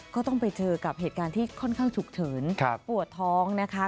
ก็ต้องไปเจอกับเหตุการณ์ที่ค่อนข้างฉุกเฉินปวดท้องนะคะ